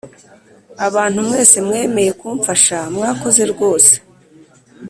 Abantu mwese mwemeye kumfasha mwakoze rwose